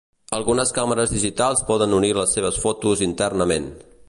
Algunes càmeres digitals poden unir les seves fotos internament.